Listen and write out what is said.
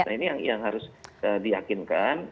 nah ini yang harus diyakinkan